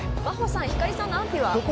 真帆さん光莉さんの安否は？